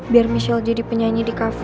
biar michelle jadi penyanyi di kafe